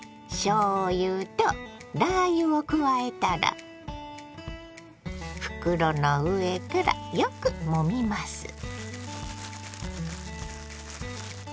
しょうゆとラー油を加えたら袋の上からよくもみます。